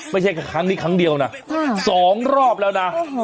ไม่ใช่แค่ครั้งนี้ครั้งเดียวนะ๒รอบแล้วนะ